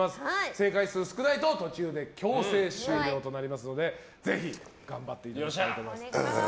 正解数が少ないと途中で強制終了となりますのでぜひ頑張っていただきたいと思います。